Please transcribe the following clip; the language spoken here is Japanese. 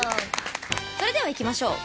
それではいきましょう。